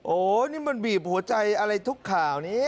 โอ้โหนี่มันบีบหัวใจอะไรทุกข่าวนี้